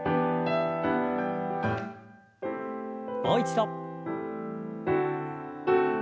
もう一度。